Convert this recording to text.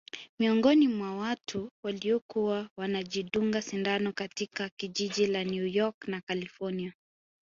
Miongoni mwa watu waliokuwa wanajidunga sindano katika jiji la New York na kalifornia